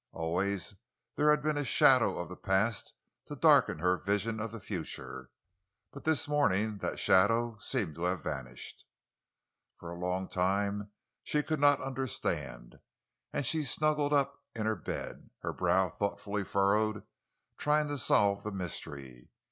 Always there had been a shadow of the past to darken her vision of the future, but this morning that shadow seemed to have vanished. For a long time she could not understand, and she snuggled up in bed, her brow thoughtfully furrowed, trying to solve the mystery.